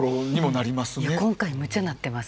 今回むちゃなっています。